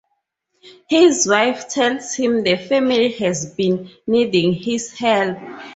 His wife tells him the family has been needing his help.